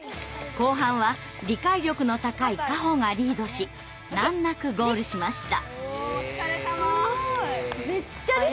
後半は理解力の高いカホがリードし難なくゴールしました。